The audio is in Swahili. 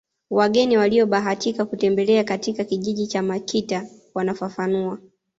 Wageni waliobahatika kutembelea katika kijiji cha Makita wanafafanua